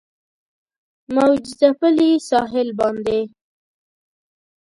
موج ځپلي ساحل باندې